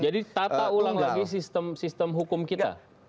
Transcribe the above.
jadi tata ulang lagi sistem hukum kita